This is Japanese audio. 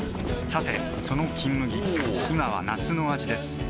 さてその「金麦」今は夏の味ですおぉ！